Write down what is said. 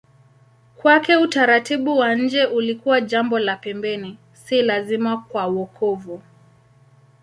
Kwake utaratibu wa nje ulikuwa jambo la pembeni, si lazima kwa wokovu.